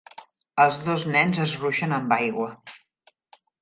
Els dos nens es ruixen amb aigua